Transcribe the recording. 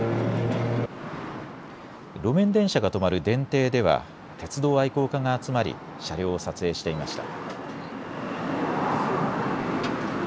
路面電車が止まる電停では鉄道愛好家が集まり車両を撮影していました。